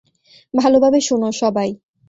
ভালভাবে শোন, সবাই।